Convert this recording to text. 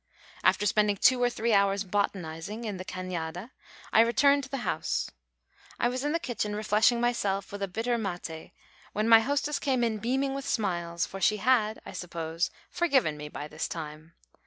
After spending two or three hours botanising in the cañada, I returned to the house. I was in the kitchen refreshing myself with a bitter maté, when my hostess came in beaming with smiles, for she had, I suppose, forgiven me by this time.